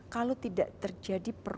kalau tidak terjadi